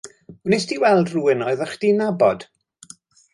Wnest ti weld rywun odda chdi'n nabod?